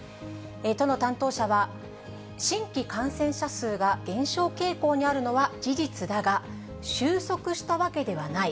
都の担当者は、新規感染者数が減少傾向にあるのは事実だが、収束したわけではない。